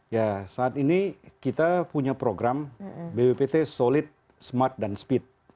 ya saat ini kita punya program bppt solid smart dan speed